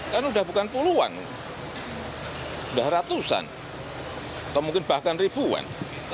kan sudah bukan puluhan sudah ratusan atau mungkin bahkan ribuan